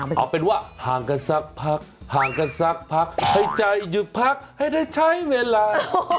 เอาเป็นว่าห่างกันสักพักห่างกันสักพักให้ใจหยุดพักให้ได้ใช้เวลา